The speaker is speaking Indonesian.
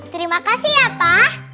terima kasih ya pa